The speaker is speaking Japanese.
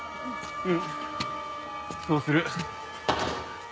うんそうする。